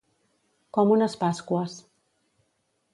Com unes pasqües.